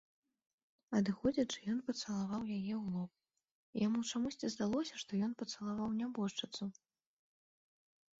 Адыходзячы, ён пацалаваў яе ў лоб, і яму чамусьці здалося, што ён пацалаваў нябожчыцу.